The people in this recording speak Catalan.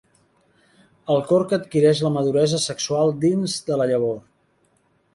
El corc adquireix la maduresa sexual dins de la llavor.